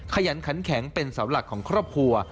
ขยันขันแข็งเป็นเสาหลักของครอบครัว